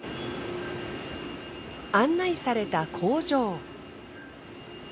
案内された工場。